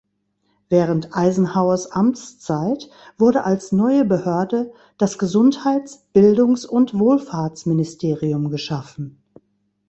Während Eisenhowers Amtszeit wurde als neue Behörde das Gesundheits-, Bildungs- und Wohlfahrtsministerium geschaffen.